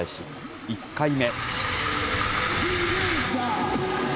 １回目。